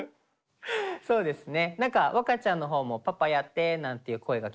そうですね。